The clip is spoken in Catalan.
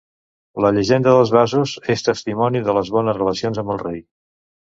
La llegenda dels vasos és testimoni de les bones relacions amb el rei.